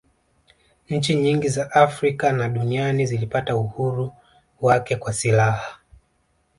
nchi nyingi za afrika na duniani zilipata uhuru wake kwa silaha